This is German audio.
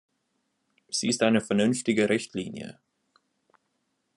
Sie ist eine vernünftige Richtlinie.